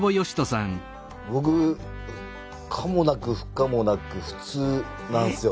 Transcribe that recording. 僕可もなく不可もなく普通なんすよ。